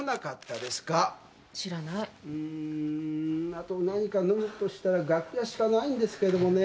あと何か飲むとしたら楽屋しかないんですけどもね。